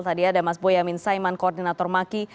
tadi ada mas boyamin saiman koordinator maki